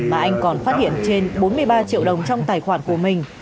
mà anh còn phát hiện trên bốn mươi ba triệu đồng trong tài khoản của mình